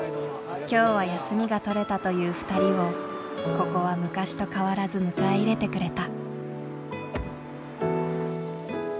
今日は休みが取れたという２人をここは昔と変わらず迎え入れてくれた。